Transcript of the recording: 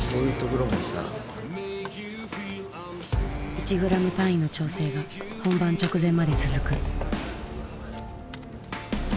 １グラム単位の調整が本番直前まで続く。